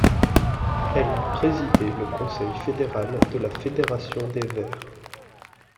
Elle a présidé le conseil fédéral de la Fédération des Verts.